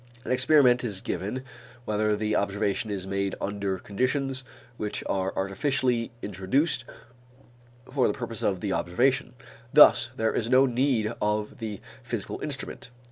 An experiment is given whenever the observation is made under conditions which are artificially introduced for the purpose of the observation. Thus there is no need of the physical instrument.